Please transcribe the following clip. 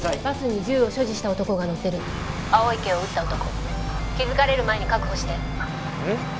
バスに銃を所持した男が乗ってる青池を撃った男気づかれる前に確保してうん？